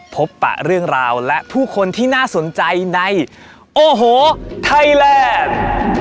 ปะเรื่องราวและผู้คนที่น่าสนใจในโอ้โหไทยแลนด์